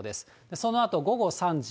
そのあと午後３時。